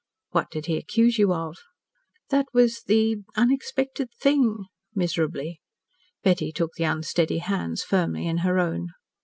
"What did he accuse you of?" "That was the the unexpected thing," miserably. Betty took the unsteady hands firmly in her own.